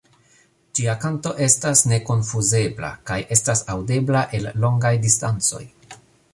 Ĝia kanto estas nekonfuzebla kaj estas aŭdebla el longaj distancoj.